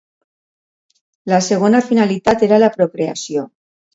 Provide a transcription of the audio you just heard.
La segona finalitat era la procreació.